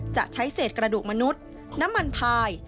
จะใช้เศษกระดูกมนุษย์น้ำมันพาย